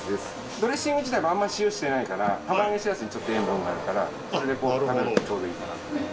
ドレッシング自体もあんま塩してないから釜揚げシラスにちょっと塩分があるからそれでこうやって食べるとちょうどいいかな。